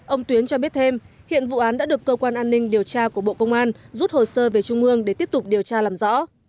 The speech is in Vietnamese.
ông tuyến cho biết thêm hiện vụ án đã được cơ quan an ninh điều tra của bộ công an rút hồ sơ về trung ương để tiếp tục điều tra làm rõ